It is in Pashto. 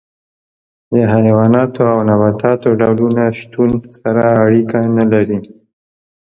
د حیواناتو او نباتاتو ډولونو شتون سره اړیکه نه لري.